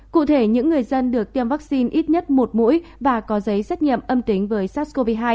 cụ thể những người dân được tiêm vaccine ít nhất một mũi và có giấy xét nghiệm âm tính với sars cov hai